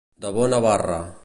De bona barra.